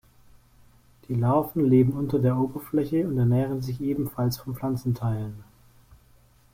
Die Larven leben unter der Oberfläche und ernähren sich ebenfalls von Pflanzenteilen.